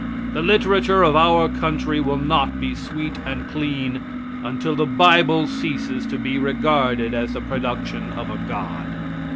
The literature of our country will not be sweet and clean until the bible ceases to be regarded as the production of a god.